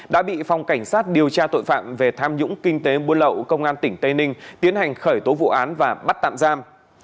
đã bị phòng cảnh sát điều tra tội phạm về tham nhũng kinh tế buôn lậu công an tỉnh tây ninh tiến hành khởi tố vụ án và bắt tạm giam